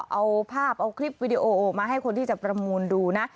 เอาภาพเอาคลิปวิดีโอมาให้คนที่จะประมูลดูนะ